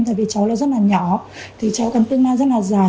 tại vì cháu nó rất là nhỏ cháu còn tương lai rất là già